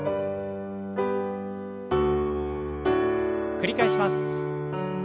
繰り返します。